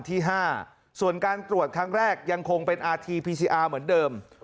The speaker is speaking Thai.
อินอาร์ตีพีซีอาร์เหมือนเดิม